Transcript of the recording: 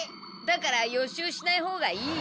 だから予習しないほうがいい。